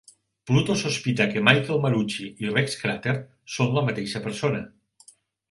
Pluto sospita que Michael Marucci i Rex Crater són la mateixa persona.